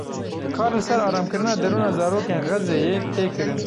Kar li ser aramkirina derûna zarokên Xezeyê tê kirin.